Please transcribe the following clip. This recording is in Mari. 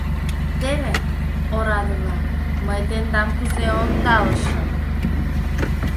Теве, ораде-влак, мый тендам кузе ондалышым!